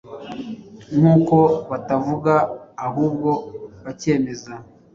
nk’uko batavuga ahubwo bakemeza